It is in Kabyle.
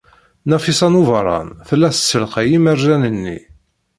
Nafisa n Ubeṛṛan tella tessalqay imerjan-nni.